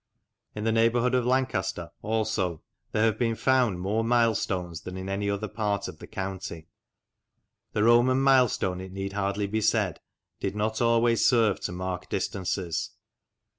In the neighbourhood of Lancaster, also, there have been found more milestones than in any other part of the county. The Roman milestone, it need hardly be said, did not always serve to mark distances.